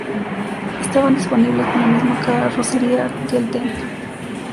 Estaban disponibles con la misma carrocería que el Ten.